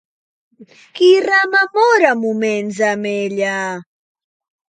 Qui rememora moments amb ella?